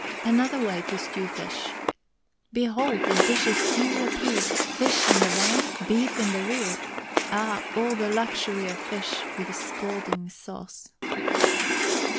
ANOTHER WAY TO STEW FISH. Behold, the dishes due appear! Fish in the van, beef in the rear. Ah! all the luxury of fish, With scalding sauce.